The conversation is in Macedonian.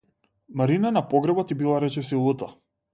Марина на погребот ѝ била речиси лута.